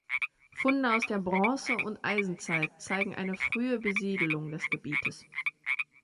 Funde aus der Bronze- und Eisenzeit zeigen eine frühe Besiedelung des Gebietes.